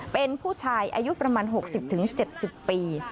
เป็นผู้ชายอายุประมาณ๖๐๗๐ปี